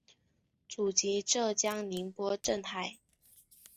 祖籍浙江宁波镇海。